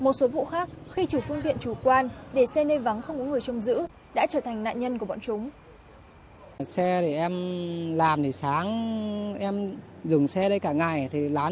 một số vụ khác khi chủ phương tiện chủ quan đề xe nơi vắng không có người chống giữ